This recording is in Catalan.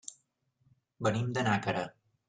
Venim de Nàquera.